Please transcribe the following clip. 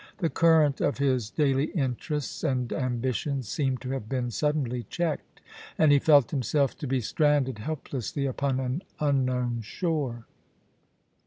The current of his daily interests and ambitions seemed to have been suddenly checked, and he felt himself to be stranded heli> lessly upon an unknown shore.